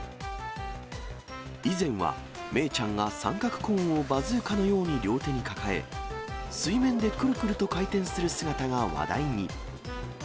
以前は、メイちゃんが三角コーンをバズーカのように両手に抱え、水面でくるくると回転する姿が話題に。